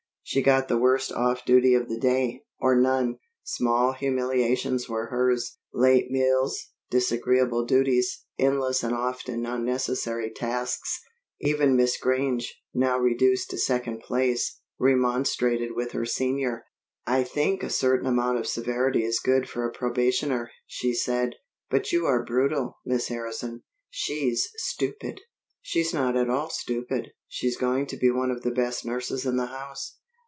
She got the worst off duty of the day, or none. Small humiliations were hers: late meals, disagreeable duties, endless and often unnecessary tasks. Even Miss Grange, now reduced to second place, remonstrated with her senior. "I think a certain amount of severity is good for a probationer," she said, "but you are brutal, Miss Harrison." "She's stupid." "She's not at all stupid. She's going to be one of the best nurses in the house."